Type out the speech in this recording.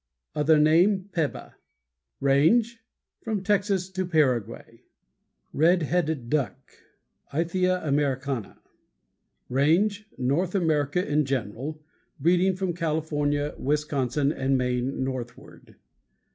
_ Other name Peba. RANGE From Texas to Paraguay. Page 151. =RED HEADED DUCK.= Aythya americana. RANGE North America in general, breeding from California, Wisconsin, and Maine, northward.